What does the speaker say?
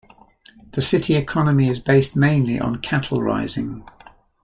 The city economy is based mainly on cattle rising.